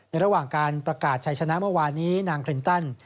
ระหว่างการประกาศชัยชนะเมื่อวานนี้นางคลินตัน